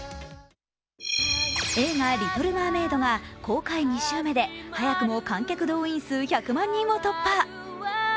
映画「リトル・マーメイド」が公開２週目で早くも観客動員数１００万人を突破。